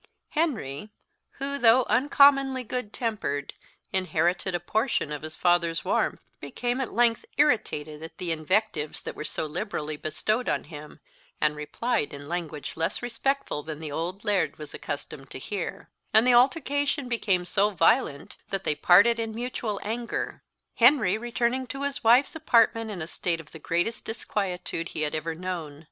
Henry, who, though uncommonly good tempered, inherited a portion of his father's warmth, became at length irritated at the invectives that were so liberally bestowed on him, and replied in language less respectful than the old Laird was accustomed to hear; and the altercation became so violent that they parted in mutual anger; Henry returning to his wife's apartment in a state of the greatest disquietude he had ever known.